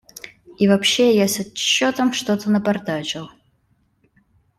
И вообще, я с отчетом что-то напортачил.